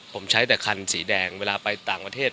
ผมใช้แต่คันสีแดงเวลาไปต่างประเทศ